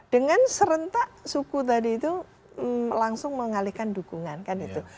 dengan serentak suku tadi itu langsung mengalihkan dukungan kan itu